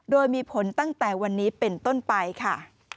โดยมีผลตั้งแต่วันนี้เป็นต้นไปค่ะ